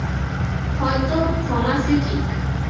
হয়ত থমাসই ঠিক।